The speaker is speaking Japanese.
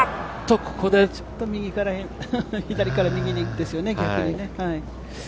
ここでちょっと左から右にですよね、逆にね。